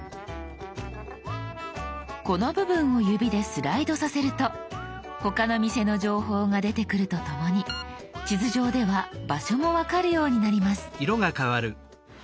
この部分を指でスライドさせると他の店の情報が出てくるとともに地図上では場所も分かるようになります。